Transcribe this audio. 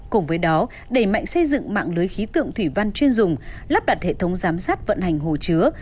cùng với đó đẩy mạnh xây dựng mạng lưới khí tượng thủy văn chuyên dùng lắp đặt hệ thống giám sát vận hành hồ chứa